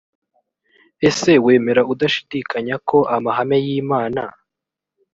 ese wemera udashidikanya ko amahame y imana